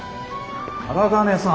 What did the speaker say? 荒金さん。